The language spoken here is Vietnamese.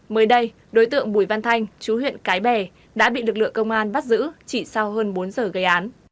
mới đây đối tượng bùi văn thanh chú huyện cái bè đã bị lực lượng công an bắt giữ chỉ sau hơn bốn giờ gây án